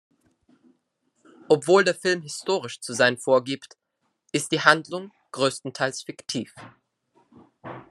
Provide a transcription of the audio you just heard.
Obwohl der Film historisch zu sein vorgibt, ist die Handlung größtenteils fiktiv.